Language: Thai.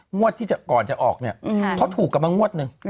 มวดที่ก่อนจะออกเขาถูกกำลังมวดหนึ่ง